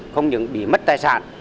không những bị mất tài sản